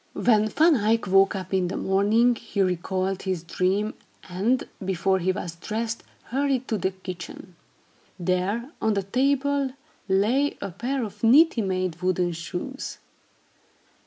When Van Eyck woke up in the morning, he recalled his dream, and, before he was dressed, hurried to the kitchen. There, on the table, lay a pair of neatly made wooden shoes.